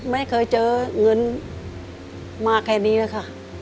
ไม่เคยเจอเงินมาแค่นี้เลยค่ะ